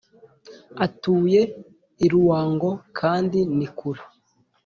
Atuye i Ruongo kandi ni kure